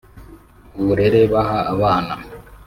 uburere baha abana